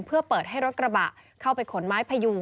เพื่อเปิดให้รถกระบะเข้าไปขนไม้พยุง